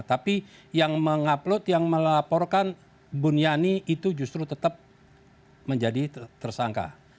tapi yang mengupload yang melaporkan buniani itu justru tetap menjadi tersangka